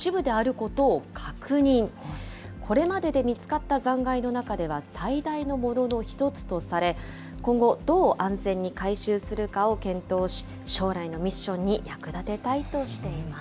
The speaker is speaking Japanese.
これまでで見つかった残骸の中では最大のものの一つとされ、今後、どう安全に回収するかを検討し、将来のミッションに役立てたいとしています。